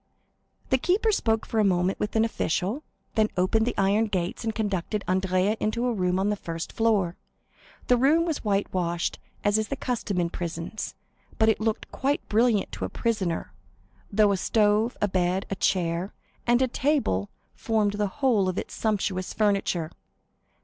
The keeper spoke for a moment with an official, then opened the iron gates and conducted Andrea to a room on the first floor. The room was whitewashed, as is the custom in prisons, but it looked quite brilliant to a prisoner, though a stove, a bed, a chair, and a table formed the whole of its sumptuous furniture.